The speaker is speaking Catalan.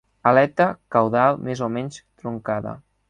Aleta caudal més o menys truncada.